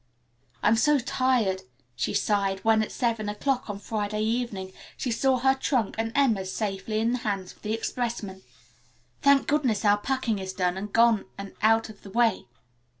"I'm so tired," she sighed when, at seven o'clock on Friday evening, she saw her trunk and Emma's safely in the hands of the expressman. "Thank goodness our packing is done and gone and out of the way.